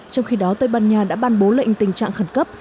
trong khi đó tây ban nha đã ban bố lệnh tình trạng khẩn cấp